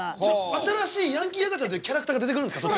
新しいヤンキー赤ちゃんっていうキャラクターが出てくるんですか？